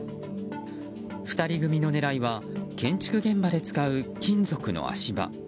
２人組の狙いは建築現場で使う金属の足場。